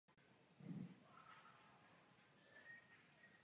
Brzy poté se ale do vídeňského parlamentu vrátil.